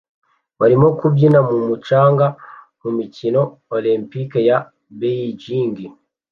barimo kubyina mu mucanga mu mikino Olempike ya Beijing